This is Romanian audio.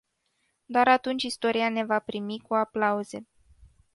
Doar atunci istoria ne va primi cu aplauze.